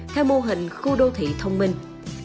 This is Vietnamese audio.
theo mô hình khu đô thị thông minh